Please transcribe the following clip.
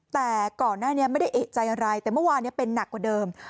แต่ก่อนหน้านี้ไม่ได้เอกใจอะไรแต่เมื่อวานเป็นหนักกว่าเดิม